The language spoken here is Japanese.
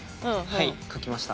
はい書きました